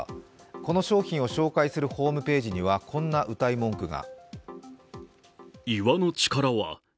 この商品を紹介するホームページにはこんなうたい文句が。